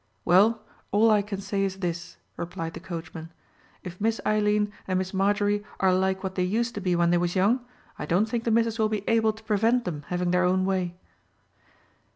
"Well, all I can say is this," replied the coachman, "if Miss Eileen and Miss Marjorie are like what they used to be when they was young, I don't think the missus will be able to prevent them having their own way."